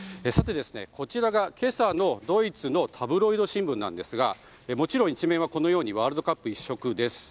こちらが今朝のドイツのタブロイド新聞なんですがもちろん１面はワールドカップ一色です。